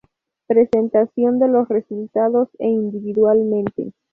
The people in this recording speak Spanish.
Presentación de los resultados, e individualmente.